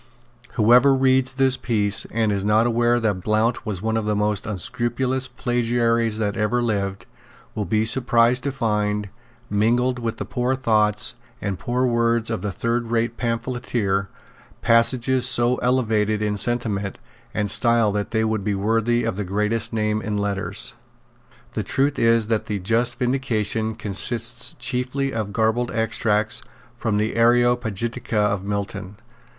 Whoever reads this piece, and is not aware that Blount was one of the most unscrupulous plagiaries that ever lived, will be surprised to find, mingled with the poor thoughts and poor words of a thirdrate pamphleteer, passages so elevated in sentiment and style that they would be worthy of the greatest name in letters. The truth is that the just Vindication consists chiefly of garbled extracts from the Areopagitica of Milton.